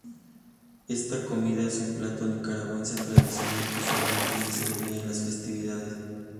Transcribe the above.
Esta comida es un plato nicaragüense tradicional que usualmente se servía en las festividades.